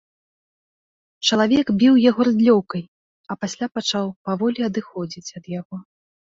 Чалавек біў яго рыдлёўкай, а пасля пачаў паволі адыходзіць ад яго.